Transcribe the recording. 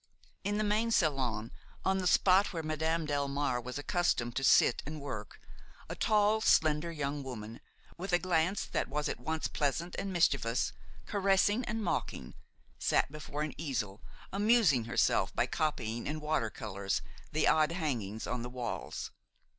In the main salon, on the spot where Madame Delmare was accustomed to sit and work, a tall, slender young woman, with a glance that was at once pleasant and mischievous, caressing and mocking, sat before an easel, amusing herself by copying in water colors the odd hangings on the walls.